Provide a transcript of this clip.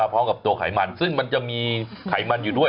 ตัวไขมันซึ่งมันจะมีไขมันอยู่ด้วย